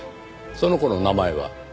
その子の名前は？